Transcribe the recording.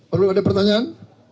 orang orang ada pertanyaan